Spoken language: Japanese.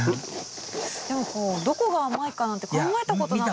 でもこうどこが甘いかなんて考えたことなかったな。